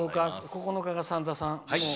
９日が三三さん。